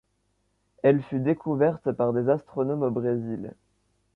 Elle fut découverte par des astronomes au Brésil.